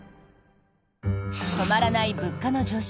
止まらない物価の上昇。